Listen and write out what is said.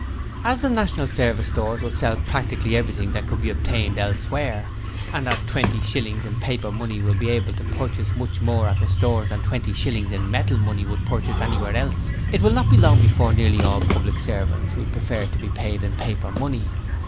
'As the National Service Stores will sell practically everything that could be obtained elsewhere, and as twenty shillings in paper money will be able to purchase much more at the stores than twenty shillings of metal money would purchase anywhere else, it will not be long before nearly all public servants will prefer to be paid in paper money.